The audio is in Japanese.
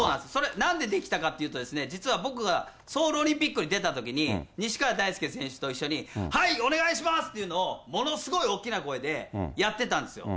なんで出来たかというと、実は僕がソウルオリンピックに出たときに、にしかわだいすけ選手と一緒に、はい、お願いしますっていうのを、ものすごい大きな声でやってたんですよ。